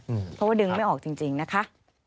เพราะว่าดึงไม่ออกจริงนะคะ